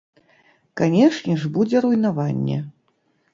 Канечне ж будзе руйнаванне.